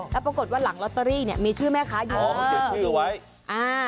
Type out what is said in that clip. แล้วปรากฏว่าหลังล็อตเตอรี่เนี่ยมีชื่อแม่ค้าเยอะ